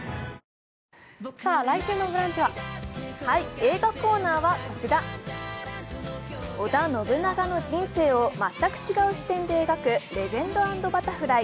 映画コーナーは、織田信長の人生を全く違う視点で描く「レジェンド＆バタフライ」。